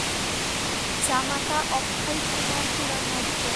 জামাতা অক্ষয়কুমার পুরা নব্য।